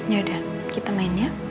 yaudah kita main ya